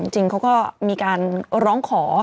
จริงเขาก็มีการร้องขอ